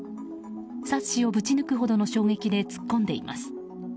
サッシをぶち抜くほどの衝撃で突っ込んでいます。